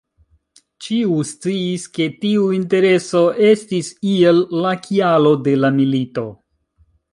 Ĉiu sciis ke tiu intereso estis iel la kialo de la milito".